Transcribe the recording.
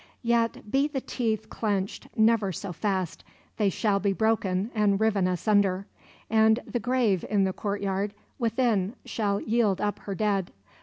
Yet, be the teeth clenched never so fast, they shall be broken and riven asunder; and the grave in the courtyard within shall yield up her dead.